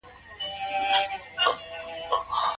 دا ساعت دئ.